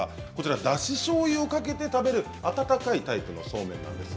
だししょうゆをかけて食べる温かいタイプのそうめんです。